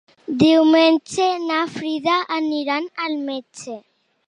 Diumenge na Frida anirà al metge.